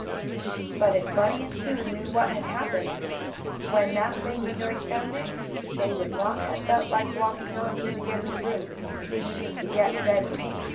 But if Bunny and Sue knew what had happened when that banging noise sounded, they would not have felt like walking on through the empty rooms, even to get red paint.